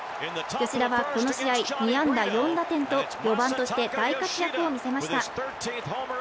吉田はこの試合、２安打４打点と４番として大活躍を見せました。